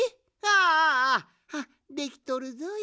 ああできとるぞい。